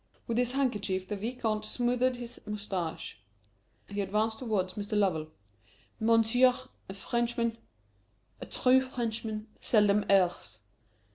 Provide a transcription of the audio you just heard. With his handkerchief the Vicomte smoothed his moustache. He advanced towards Mr. Lovell: "Monsieur, a Frenchman a true Frenchman seldom errs.